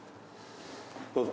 どうぞ。